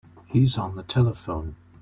He's on the telephone.